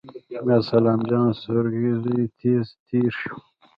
د سلام جان سورکی زوی تېز تېر شو.